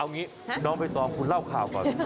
เอางี้น้องใบตองคุณเล่าข่าวก่อน